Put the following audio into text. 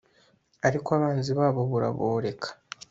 ariko abanzi babo buraboreka